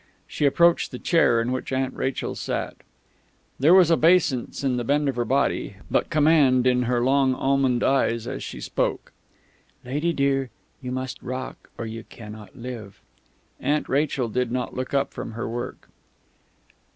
She approached the chair in which Aunt Rachel sat. There was obeisance in the bend of her body, but command in her long almond eyes, as she spoke. "Lady dear, you must rock or you cannot live." Aunt Rachel did not look up from her work.